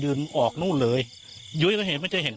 หญิงบอกว่าจะเป็นพี่ปวกหญิงบอกว่าจะเป็นพี่ปวก